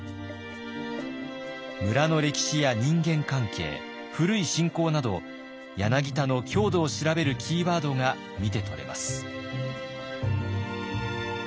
村の歴史や人間関係古い信仰など柳田の郷土を調べるキーワードが見て取れます。